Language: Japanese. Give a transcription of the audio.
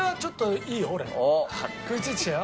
食い付いちゃうよ。